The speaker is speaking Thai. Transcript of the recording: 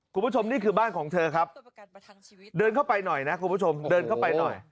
คุณผู้ชมนี่คือบ้านของเธอครับเดินเข้าไปหน่อยนะคุณผู้ชมเดินเข้าไปหน่อย